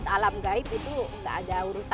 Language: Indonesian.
alam gaib itu nggak ada urusan